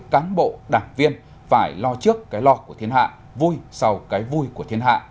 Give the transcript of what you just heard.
cán bộ đảng viên phải lo trước cái lo của thiên hạ vui sau cái vui của thiên hạ